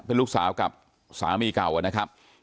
เป็นลูกสาวกับสามีเก่า